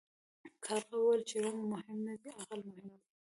کارغه وویل چې رنګ مهم نه دی عقل مهم دی.